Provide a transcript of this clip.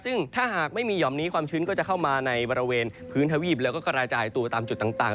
ซึ่งถ้าหากไม่มีหย่อมนี้ความชื้นก็จะเข้ามาในบริเวณพื้นทวีปแล้วก็กระจายตัวตามจุดต่าง